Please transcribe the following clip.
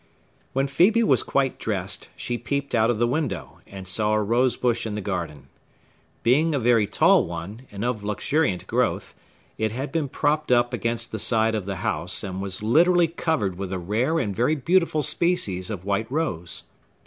When Phœbe was quite dressed, she peeped out of the window, and saw a rosebush in the garden. Being a very tall one, and of luxuriant growth, it had been propped up against the side of the house, and was literally covered with a rare and very beautiful species of white rose.